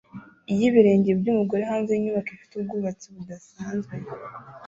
y ibirenge byumugore hanze yinyubako ifite ubwubatsi budasanzwe